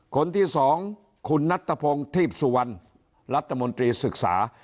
คนที่สองคุณนัทพงศ์ทีพสุวรรณรัฐมนตรีศึกษา